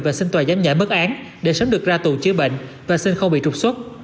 và xin tòa giám nhã mất án để sớm được ra tù chứa bệnh và xin không bị trục xuất